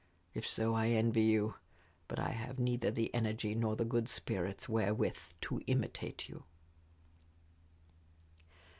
If so, I envy you; but I have neither the energy nor the good spirits wherewith to imitate you."